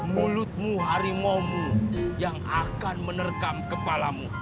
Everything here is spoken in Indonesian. mulutmu harimau mu yang akan menerkam kepalamu